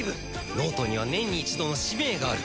脳人には年に一度の使命がある。